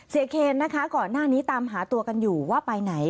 เคนนะคะก่อนหน้านี้ตามหาตัวกันอยู่ว่าไปไหน